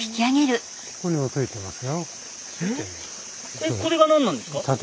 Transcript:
えっこれが何なんですか？